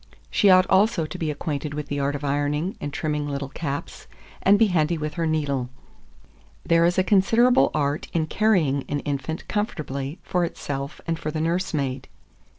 She ought also to be acquainted with the art of ironing and trimming little caps, and be handy with her needle. 2398. There is a considerable art in carrying an infant comfortably for itself and for the nursemaid.